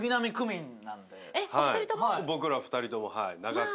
僕ら２人とも長く。